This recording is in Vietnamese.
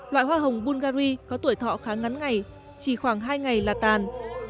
loại hoa hồng bungary có tuổi thọ khá ngắn ngày chỉ khoảng hai ngày là tàn